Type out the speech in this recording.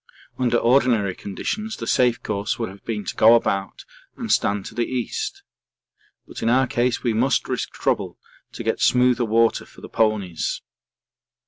Under ordinary conditions the safe course would have been to go about and stand to the east. But in our case we must risk trouble to get smoother water for the ponies.